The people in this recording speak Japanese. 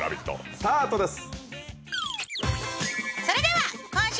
スタートです。